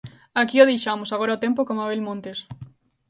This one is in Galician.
Aquí o deixamos, agora o tempo con Mabel Montes.